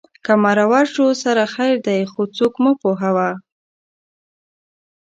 که مرور شو سره خیر دی خو څوک مه پوهوه